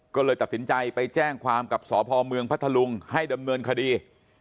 ก็เลยตัดสินใจไปแจ้งความกับสพเมืองพัทธลุงให้ดำเนินคดี